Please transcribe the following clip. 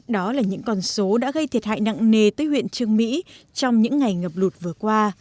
đó là những con số đã gây thiệt hại nặng nề tới huyện trương mỹ trong những ngày ngập lụt vừa qua